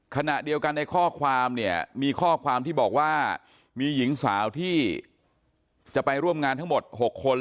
ขณะเดียวกันในข้อความเนี่ยมีข้อความที่บอกว่ามีหญิงสาวที่จะไปร่วมงานทั้งหมด๖คน